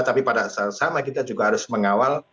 tapi pada saat sama kita juga harus mengawal